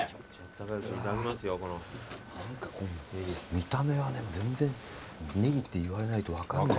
見た目はでも全然ネギって言われないと分かんない。